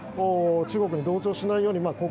中国に同調しないようにと。